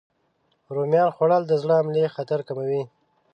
رومیان خوړل د زړه حملې خطر کموي.